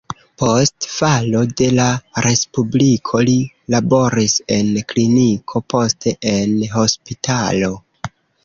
Post falo de la respubliko li laboris en kliniko, poste en hospitalo.